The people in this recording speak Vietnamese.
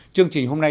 chương trình hôm nay